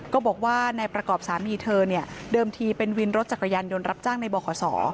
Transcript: ก็บอกว่านายประกอบสามีเธอเนี่ยเดิมทีเป็นวินรถจักรยานยนต์รับจ้างในบข